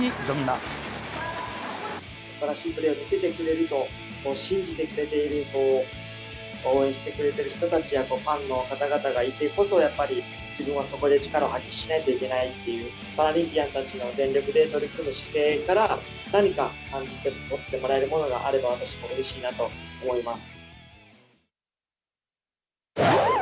すばらしいプレーを見せてくれると信じてくれている、応援してくれてる人たちや、ファンの方々がいてこそやっぱり、自分はそこで力を発揮しないといけないっていう、パラリンピアンたちの全力で取り組む姿勢から、何か感じ取ってもらえるものがあれば、私もうれしいなと思います。